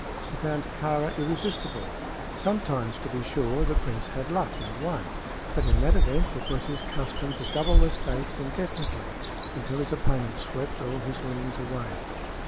He found Kāra irresistible. Sometimes, to be sure, the prince had luck and won, but in that event it was his custom to double the stakes indefinitely until his opponent swept all his winnings away.